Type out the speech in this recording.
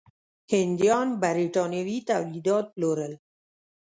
هندیان برېټانوي تولیدات پلورل.